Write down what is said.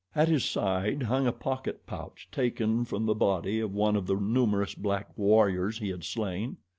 At his side hung a pocket pouch taken from the body of one of the numerous black warriors he had slain.